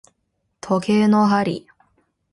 時計の針